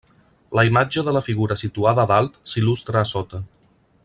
La imatge de la figura situada a dalt s'il·lustra a sota.